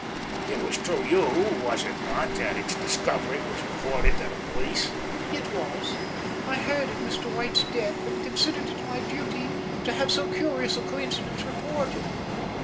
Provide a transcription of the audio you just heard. "It was through you, was it not, that its discovery was reported to the police?" "It was; I heard of Mr. White's death, and considered it my duty to have so curious a coincidence reported."